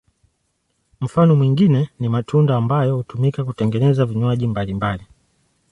Mfano mwingine ni matunda ambayo hutumika kutengeneza vinywaji mbalimbali.